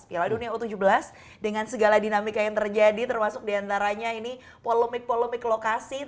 piala dunia u tujuh belas dengan segala dinamika yang terjadi termasuk diantaranya ini polemik polemik lokasi